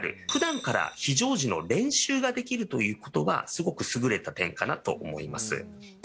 ふだんから非常時の練習ができるということは、すごく優れた点かなと思います。